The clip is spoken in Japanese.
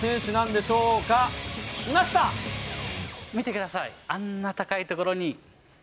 見てください、あんな高い所に。